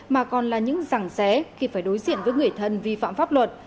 mà còn là những rằng rẽ khi phải đối diện với người thân vi phạm pháp luật